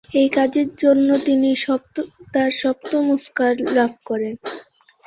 এই কাজের জন্য তিনি তার সপ্তম অস্কার লাভ করেন।